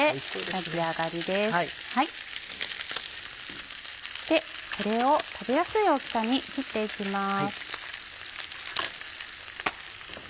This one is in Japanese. そしてこれを食べやすい大きさに切って行きます。